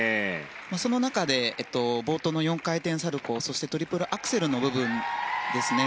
その中で冒頭の４回転サルコウトリプルアクセルの部分ですね。